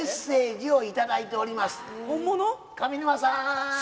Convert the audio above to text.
上沼さん。